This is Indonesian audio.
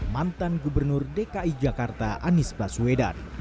mantan gubernur dki jakarta anies baswedan